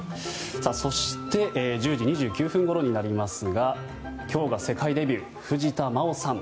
そして１０時２９分ごろになりますが今日が世界デビュー藤田真央さん。